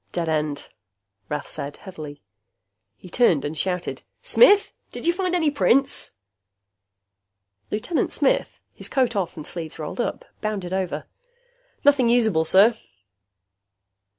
"Dead end," Rath said heavily. He turned and shouted, "Smith! Did you find any prints?" Lieutenant Smith, his coat off and sleeves rolled up, bounded over. "Nothing usable, sir."